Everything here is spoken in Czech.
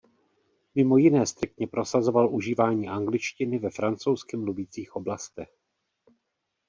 Mimo jiné striktně prosazoval užívání angličtiny ve francouzsky mluvících oblastech.